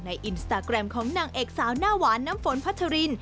อินสตาแกรมของนางเอกสาวหน้าหวานน้ำฝนพัชริน